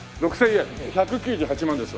１９８万ですわ。